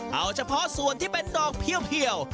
เอาเฉพาะส่วนที่เป็นดอกเพียว